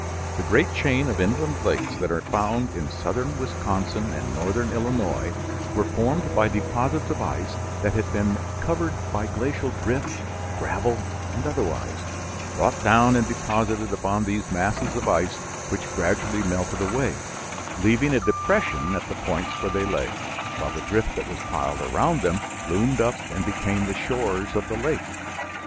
The great chain of inland lakes that are found in southern Wisconsin and northern Illinois were formed by deposits of ice that had been covered by glacial drift, gravel and otherwise, brought down and deposited upon these masses of ice which gradually melted away, leaving a depression at the points where they lay, while the drift that was piled around them loomed up and became the shores of the lake.